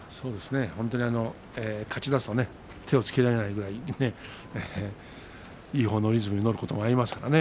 本当に勝ちだすと手がつけられないくらいいいほうのリズムに乗ることがありますからね